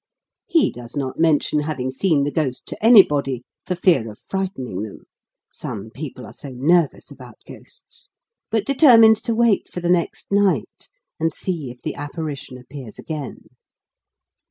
He does not mention having seen the ghost to anybody, for fear of frightening them some people are so nervous about ghosts, but determines to wait for the next night, and see if the apparition appears again.